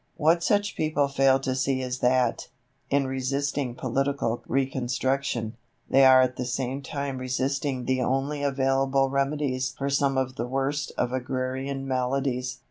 What such people fail to see is that, in resisting political reconstruction, they are at the same time resisting the only available remedies for some of the worst of agrarian maladies.